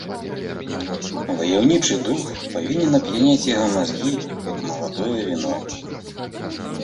Ваяўнічы дух павінен ап'яняць яго мазгі, як маладое віно.